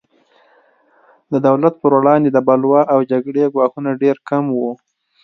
د دولت پر وړاندې د بلوا او جګړې ګواښونه ډېر کم وو.